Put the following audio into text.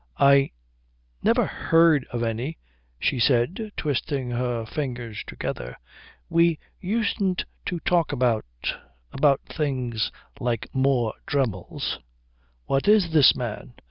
"I never heard of any," she said, twisting her fingers together. "We usedn't to talk about about things like more Dremmels." "What is this man?"